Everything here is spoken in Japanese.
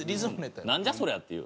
なんじゃそりゃっていう。